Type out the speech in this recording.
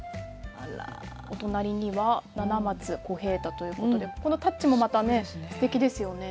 お隣には七松小平太ということでこのタッチもまたねすてきですよね。